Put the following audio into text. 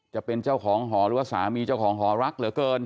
จะเป็นเจ้าของหอหรือว่าสามีเจ้าของหอรักเหลือเกิน